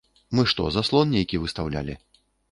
Мы што, заслон нейкі выстаўлялі?